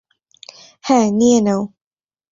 হ্যাঁ, নিয়ে নেও।